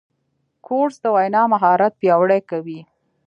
کورس د وینا مهارت پیاوړی کوي.